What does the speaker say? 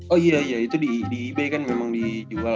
oh iya iya itu di b kan memang dijual